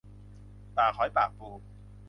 ปากหอยปากปู